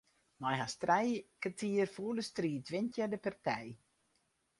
Nei hast trije kertier fûle striid wint hja de partij.